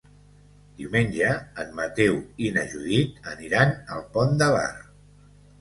Diumenge en Mateu i na Judit aniran al Pont de Bar.